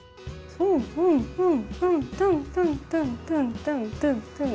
トントントントントントントン。